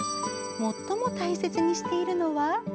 最も大切にしているのは。